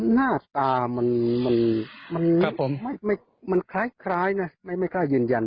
หน้าตามันคล้ายนะไม่กล้ายืนยัน